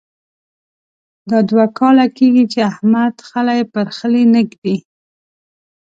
دا دوه کاله کېږې چې احمد خلی پر خلي نه اېږدي.